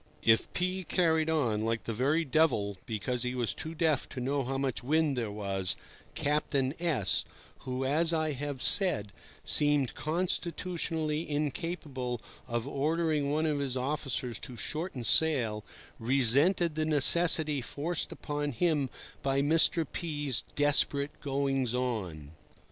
If P— carried on "like the very devil" because he was too deaf to know how much wind there was, Captain S— (who, as I have said, seemed constitutionally incapable of ordering one of his officers to shorten sail) resented the necessity forced upon him by Mr. P—'s desperate goings on.